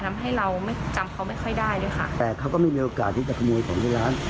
ทำให้เราไม่จำเขาไม่ค่อยได้ด้วยค่ะแต่เขาก็ไม่มีโอกาสที่จะขโมยผมที่ร้าน